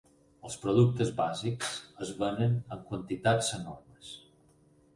Els productes bàsics es venen en quantitats enormes.